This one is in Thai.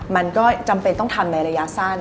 มันก็จำเป็นต้องทำในระยะสั้น